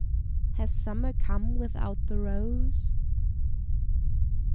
HAS SUMMER COME WITHOUT THE ROSE?